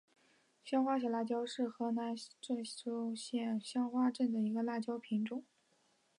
香花小辣椒是河南省淅川县香花镇的一个辣椒品种。